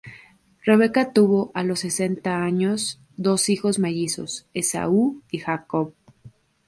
Rebeca tuvo, a los sesenta años, dos hijos mellizos: Esaú y Jacob.